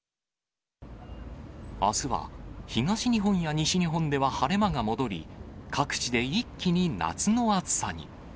あすは東日本や西日本では晴れ間が戻り、各地で一気に夏の暑さに。